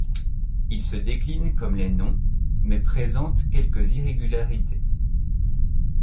Ils se déclinent comme les noms, mais présentent quelques irrégularités.